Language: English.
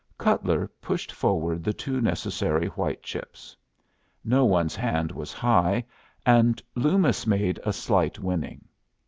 Cutler pushed forward the two necessary white chips. No one's hand was high, and Loomis made a slight winning.